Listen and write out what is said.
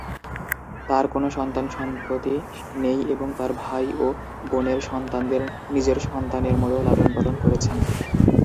তার কোন সন্তান-সন্ততি নেই এবং তার ভাই ও বোনের সন্তানদের নিজের সন্তানের মত লালনপালন করেছেন।